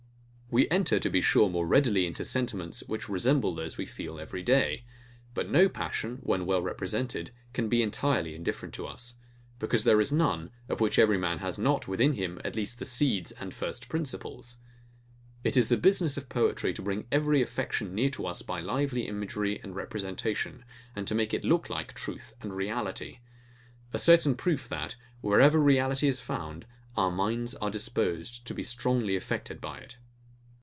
We enter, to be sure, more readily into sentiments, which resemble those we feel every day: But no passion, when well represented, can be entirely indifferent to us; because there is none, of which every man has not, within him, at least the seeds and first principles. It is the business of poetry to bring every affection near to us by lively imagery and representation, and make it look like truth and reality: A certain proof, that, wherever that reality is found, our minds are disposed to be strongly affected by it.